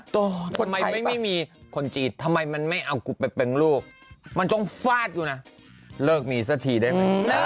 ทำไมไม่มีคนจีนทำไมมันไม่เอากูไปเป็นลูกมันต้องฟาดอยู่นะเลิกมีสักทีได้ไหม